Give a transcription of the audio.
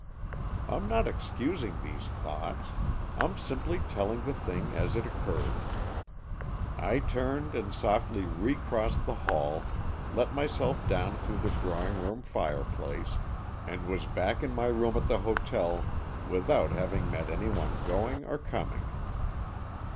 I'm not excusing these thoughts; I'm simply telling the thing as it occurred. I turned and softly recrossed the hall, let myself down through the drawing room fireplace, and was back in my room at the hotel without having met any one going or coming.